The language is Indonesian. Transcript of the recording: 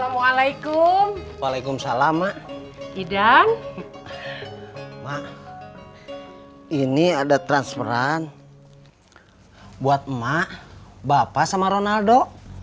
mak ini ada transferan buat mak bapak sama ronaldo